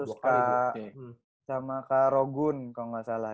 terus kak sama kak rogun kalau gak salah